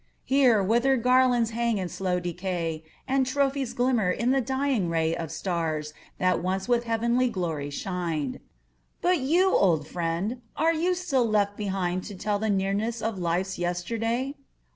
Here, withered garlands hang in slow decay. And trophies glimmer in the dying ray Of stars that once with heavenly glory shined. 280 THE FALLEN But you, old friend, are you still left behind To tell the nearness of life's yesterday?